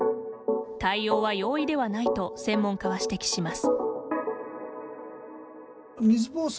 対応は容易ではないと専門家は指摘します。